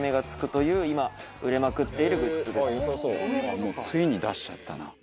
もうついに出しちゃったな。